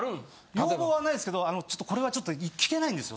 要望はないですけどこれはちょっと聞けないんですよ。